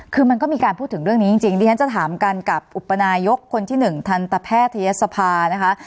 คือมันก็มีการพูดถึงเรื่องนี้จริงดิฉันจะถามกันกับอุปนายกคนที่๑ทันตแพทยศภานะคะ